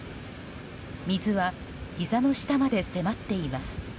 水は、ひざの下まで迫っています。